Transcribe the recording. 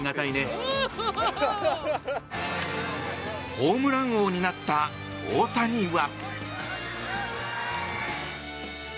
ホームラン王になった大谷は。